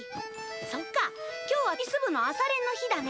そっか今日はテニス部の朝練の日だね。